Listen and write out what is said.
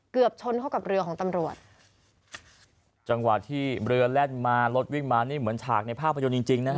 ชนเข้ากับเรือของตำรวจจังหวะที่เรือแล่นมารถวิ่งมานี่เหมือนฉากในภาพยนตร์จริงจริงนะฮะ